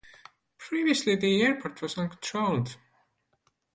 Previously, the airport was uncontrolled.